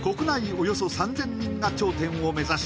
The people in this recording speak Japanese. およそ３０００人が頂点を目指し